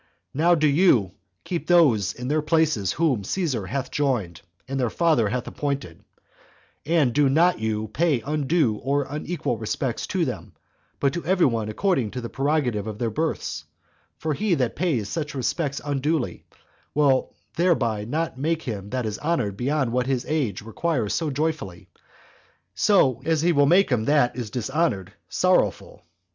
Now do you keep those in their places whom Caesar hath joined, and their father hath appointed; and do not you pay undue or unequal respects to them, but to every one according to the prerogative of their births; for he that pays such respects unduly, will thereby not make him that is honored beyond what his age requires so joyful, as he will make him that is dishonored sorrowful.